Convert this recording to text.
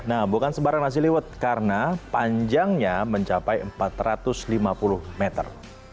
nah bukan sebaran nasi liwet karena panjangnya mencapai empat ratus lima puluh meter